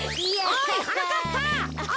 おいはなかっぱ！